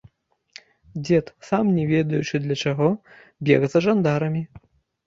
Дзед, сам не ведаючы для чаго, бег за жандарамі.